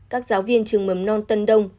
các giáo viên trường mầm non tân đông